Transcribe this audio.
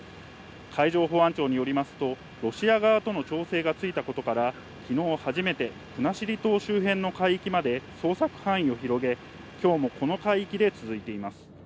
海上保安庁によりますとロシア側との調整がついたことから、昨日初めて国後島周辺の海域まで捜索範囲を広げ、今日もこの海域で続いています。